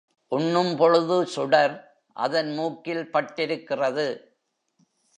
உண்ணும் பொழுது சுடர் அதன் மூக்கில் பட்டிருக்கிறது.